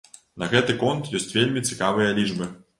На гэты конт ёсць вельмі цікавыя лічбы.